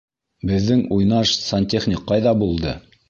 Беҙҙең уйнаш сантехник ҡайҙа булды?